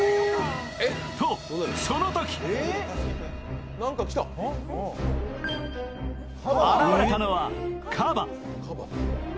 とそのとき、現れたのはかば。